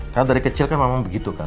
karena dari kecil kan memang begitu kan